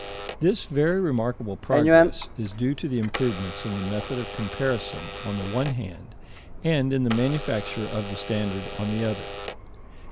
This very remarkable progress is due to the improvements in the method of comparison on the one hand, and in the manufacture of the standard on the other.